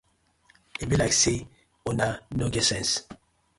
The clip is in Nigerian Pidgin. E bi layk say uno no get sence.